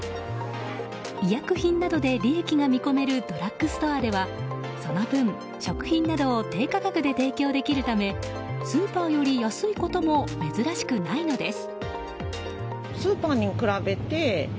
医薬品などで利益が見込めるドラッグストアではその分、食品などを低価格で提供できるためスーパーより安いことも珍しくないのです。